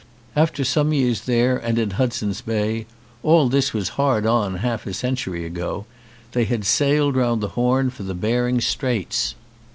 After some years there and in Hudson's Bay — all this was hard on half a century ago — they had sailed round the Horn for the Behring Straits.